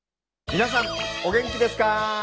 皆さんお元気ですか！